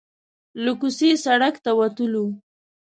له کوڅې سړک ته وتلو.